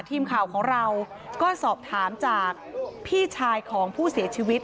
ทีมข่าวของเราก็สอบถามจากพี่ชายของผู้เสียชีวิต